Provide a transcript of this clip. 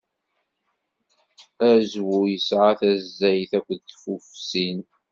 Azwu yesɛa taẓẓayt akked tufsin.